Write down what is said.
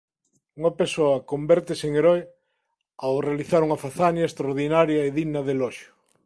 Unha persoa convértese en heroe ao realizar unha fazaña extraordinaria e digna de eloxio.